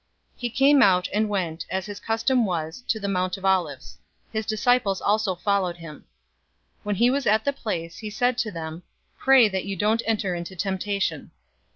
022:039 He came out, and went, as his custom was, to the Mount of Olives. His disciples also followed him. 022:040 When he was at the place, he said to them, "Pray that you don't enter into temptation."